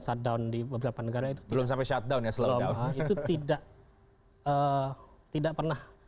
shutdown di beberapa negara itu belum sampai shutdown ya slow itu tidak tidak pernah